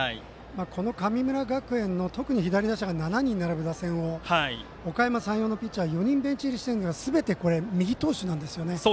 神村学園の特に左打者が７人並ぶ打線をおかやま山陽のピッチャー４人ベンチ入りしているのが、すべて右投手なんですよね。